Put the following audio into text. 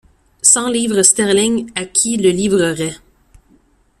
Cent livres sterling à qui le livrerait.